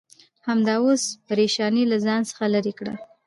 همدا اوس پرېشانۍ له ځان څخه لرې کړه.